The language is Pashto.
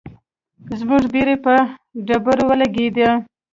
زموږ بیړۍ په ډبرو ولګیده.